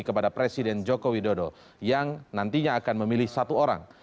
kepada presiden joko widodo yang nantinya akan memilih satu orang